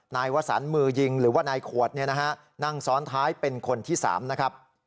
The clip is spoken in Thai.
นายวสันมือยิงหรือว่านายขวดนั่งซ้อนท้ายเป็นคนที่๓นะครับ